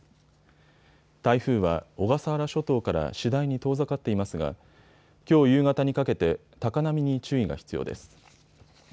台風は小笠原諸島から次第に遠ざかっていますがきょう夕方にかけて高波に注意が必要です。